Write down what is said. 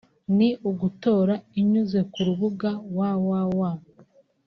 ni ugutora inyuze ku rubuga www